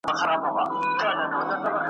موږ پوهیږو چي پر تاسي څه تیریږي ,